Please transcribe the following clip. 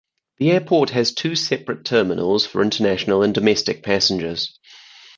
The airport has two separate terminals for international and domestic passengers.